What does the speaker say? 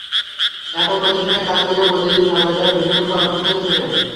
একই প্রতিষ্ঠানে কাজ করলেও প্রতিদিন সকালে তারা ভিন্ন ভিন্ন কর্মস্থলে ছোটেন।